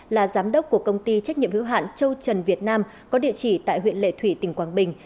là giám đốc của công ty trách nhiệm hữu hạn châu trần việt nam có địa chỉ tại huyện lệ thủy tỉnh quảng bình